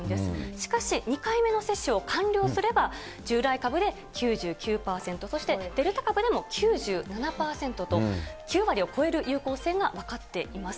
しかし、２回目の接種を完了すれば、従来株で９９％、そしてデルタ株でも９７％と、９割を超える有効性が分かっています。